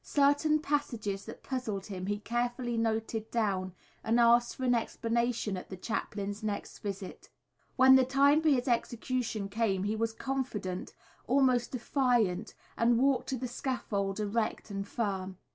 Certain passages that puzzled him he carefully noted down, and asked for an explanation at the chaplain's next visit. When the time for his execution came he was confident, almost defiant, and walked to the scaffold erect and firm.